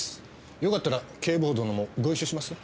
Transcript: よかったら警部補殿もご一緒します？